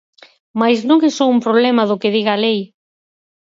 Mais non é só un problema do que diga a lei.